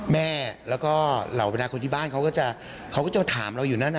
แม่แล้วก็เหล่าบรรดาคนที่บ้านเขาก็จะถามเราอยู่นั่นน่ะ